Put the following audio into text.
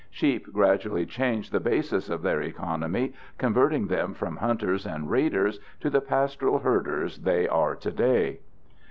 Sheep gradually changed the basis of their economy, converting them from hunters and raiders to the pastoral herders they are today.